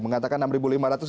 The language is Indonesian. mengatakan enam ribu lima ratus